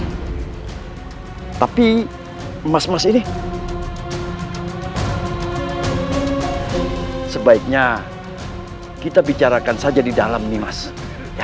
hai tapi emas emas ini sebaiknya kita bicarakan saja di dalam nih mas ya